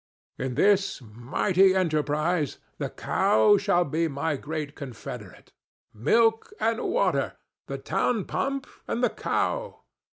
In this mighty enterprise the cow shall be my great confederate. Milk and water—the TOWN PUMP and the Cow!